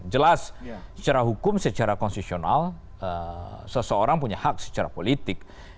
jelas secara hukum secara konsesional seseorang punya hak secara politik